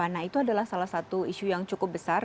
nah itu adalah salah satu isu yang cukup besar